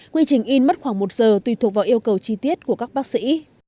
quy trình in mất khoảng một giờ tùy thuộc vào yêu cầu chi tiết của các bác sĩ